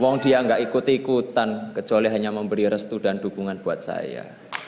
memang dia nggak ikut ikutan kecuali hanya memberi restu dan dukungan buat saya